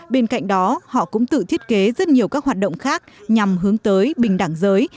bên cạnh đó họ cũng tự thiết kế rất nhiều các hoạt động khác nhằm hướng tới bình đẳng giới